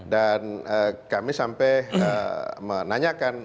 dan kami sampai menanyakan